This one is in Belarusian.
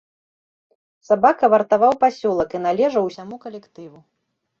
Сабака вартаваў пасёлак і належаў усяму калектыву.